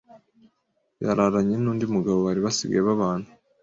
yararanye n’undi mugabo bari basigaye babana